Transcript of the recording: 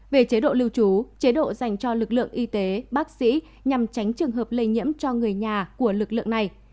về chế độ lưu trú chế độ dành cho lực lượng y tế bác sĩ nhằm tránh trường hợp lây nhiễm cho người nhà của lực lượng này